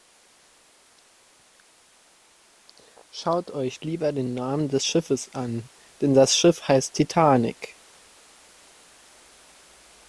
Schaut euch lieber den Namen des Schiffes an, denn das Schiff heißt "Titanic" !